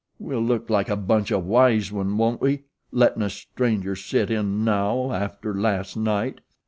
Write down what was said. We'll look like a bunch o' wise ones, won't we? lettin' a stranger sit in now after last night.